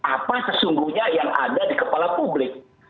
apa sesungguhnya yang ada di kepala publik